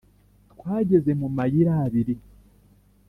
Twageze mu mayira abiri